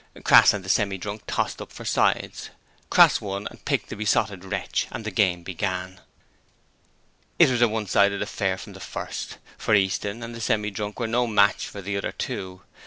Crass and the Semi drunk tossed up for sides. Crass won and picked the Besotted Wretch, and the game began. It was a one sided affair from the first, for Easton and the Semi drunk were no match for the other two.